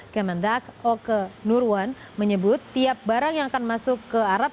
kemendak oke nurwan menyebut tiap barang yang akan masuk ke arab